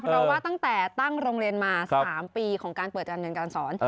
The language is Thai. เพราะว่าตั้งแต่ตั้งโรงเรียนมา๓ปีของการเปิดการเรียนการสอน